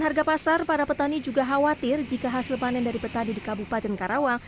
harga pasar para petani juga khawatir jika hasil panen dari petani di kabupaten karawang